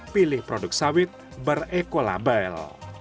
pilih produk sawit berekolabel